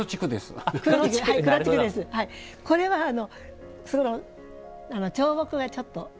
これは調墨がちょっと。